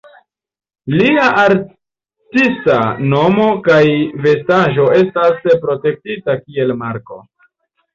Lia artista nomo kaj vestaĵo estas protektita kiel marko.